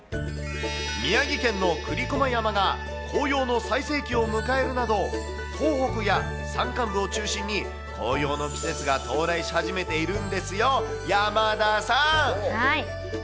宮城県の栗駒山が紅葉の最盛期を迎えるなど、東北や山間部を中心に紅葉の季節が到来し始めているんですよ、山田さん。